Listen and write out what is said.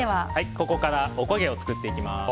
ここからおこげを作っていきます。